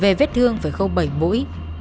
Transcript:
về vết thương với khâu bảy mũi